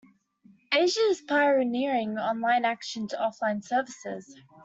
Asia is pioneering online action to offline services.